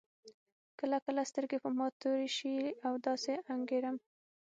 کله کله سترګې په ما تورې شي او داسې انګېرم.